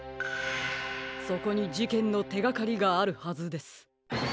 そこにじけんのてがかりがあるはずです。